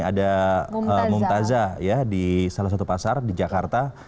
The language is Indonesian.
ada mumtazah ya di salah satu pasar di jakarta